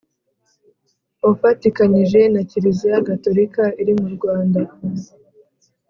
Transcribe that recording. ufatikanije na Kiliziya Gatolika iri mu Rwanda